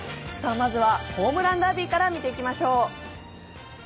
まずはホームランダービーから見ていきましょう。